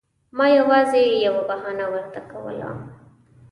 ما یوازې یوه بهانه ورته کوله.